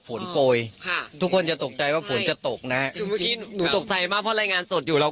ฝนโปรยค่ะทุกคนจะตกใจว่าฝนจะตกนะฮะหนูตกใจมากเพราะรายงานสดอยู่เรา